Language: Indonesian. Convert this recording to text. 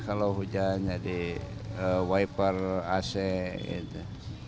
kalau hujan jadi wiper ac gitu